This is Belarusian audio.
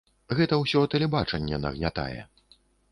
Гэта ўсё тэлебачанне нагнятае.